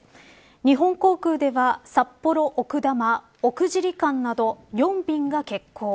日本航空では、札幌丘珠奥尻間など４便が欠航。